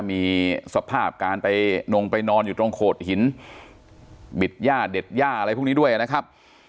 มีสภาพการไปนงไปนอนอยู่ตรงโขดหินบิดย่าเด็ดย่าอะไรพวกนี้ด้วยนะครับ